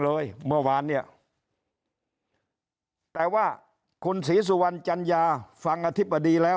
เมื่อวานเนี่ยแต่ว่าคุณศรีสุวรรณจัญญาฟังอธิบดีแล้ว